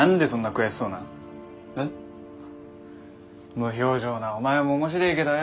無表情なお前も面白えけどよ